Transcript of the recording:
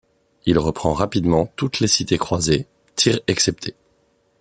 Il reprend rapidement toutes les cités croisées, Tyr exceptée.